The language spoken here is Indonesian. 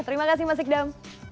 terima kasih mas iqdam